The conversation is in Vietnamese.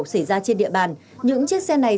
xảy ra trên địa bàn những chiếc xe này